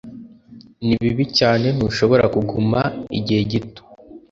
Ni bibi cyane ntushobora kuguma igihe gito.